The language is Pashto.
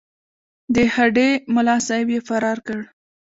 د هډې ملاصاحب یې فرار کړ.